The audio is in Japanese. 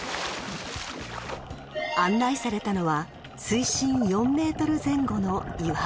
［案内されたのは水深４ｍ前後の岩場］